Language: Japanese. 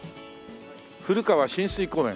「古川親水公園」。